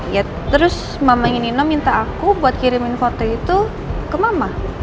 ya terus mamanya nino minta aku buat kirim foto itu ke mama